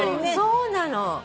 そうなの！